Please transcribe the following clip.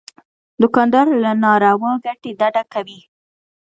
دوکاندار له ناروا ګټې ډډه کوي.